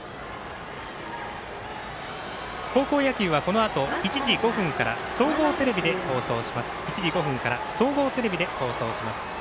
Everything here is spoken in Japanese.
高校野球は、このあと１時５分から総合テレビで放送します。